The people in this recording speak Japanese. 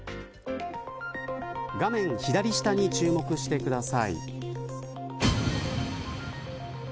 画面左下に注目してください。